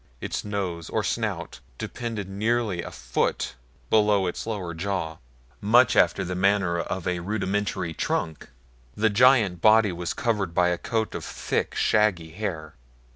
Its nose, or snout, depended nearly a foot below its lower jaw, much after the manner of a rudimentary trunk. The giant body was covered by a coat of thick, shaggy hair.